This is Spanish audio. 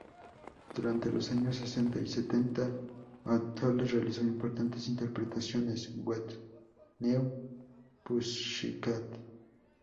Durante los años sesenta y setenta, O'Toole realizó importantes interpretaciones: "What's New Pussycat?